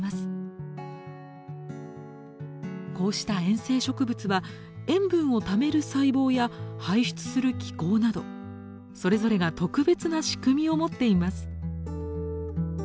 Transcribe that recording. こうした塩生植物は塩分をためる細胞や排出する機構などそれぞれが特別な仕組みを持っています。